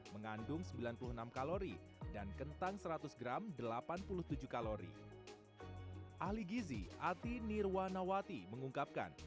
mengandung sembilan puluh enam kalori dan kentang seratus gram delapan puluh tujuh kalori ahli gizi ati nirwanawati mengungkapkan